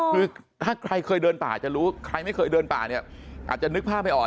คือถ้าใครเคยเดินป่าจะรู้ใครไม่เคยเดินป่าเนี่ยอาจจะนึกภาพไม่ออก